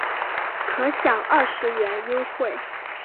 可享二十元优惠